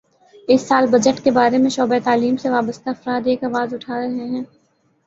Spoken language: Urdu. اس سال بجٹ کے بارے میں شعبہ تعلیم سے وابستہ افراد ایک آواز اٹھا رہے ہیں